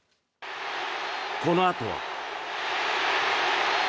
このあとは。